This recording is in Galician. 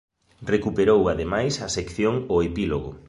Recuperou ademais a sección O epílogo.